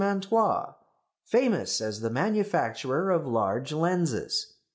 Mantois, famous as the manufacturer of large lenses.